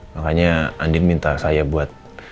makanya andin minta saya buat